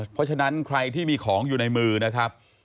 เพราะฉะนั้นใครที่มีของอยู่ในมือนะครับ